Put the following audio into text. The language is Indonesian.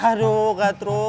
aduh kak tro